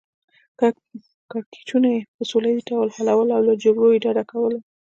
کړکیچونه یې په سوله ییز ډول حلول او له جګړو یې ډډه کوله.